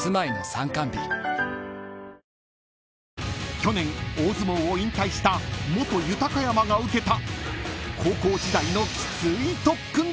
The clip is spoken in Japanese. ［去年大相撲を引退した元豊山が受けた］